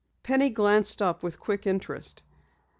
Penny glanced up with quick interest.